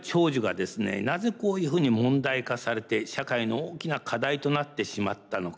なぜこういうふうに問題化されて社会の大きな課題となってしまったのか